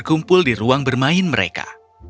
dan kumpul di ruang bermain mereka